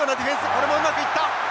これもうまくいった。